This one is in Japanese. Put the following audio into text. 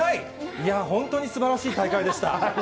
いや、本当にすばらしい大会でした。